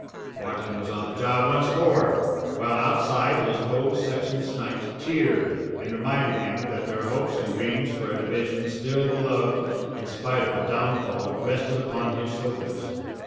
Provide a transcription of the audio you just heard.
Martin was on the job once more, while outside his old section snipes cheered, and reminded him that their hopes and dreams for a division still beloved in spite of a downfall rested upon his shoulders.